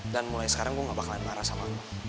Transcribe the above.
dan mulai sekarang gue gak bakalan marah sama lo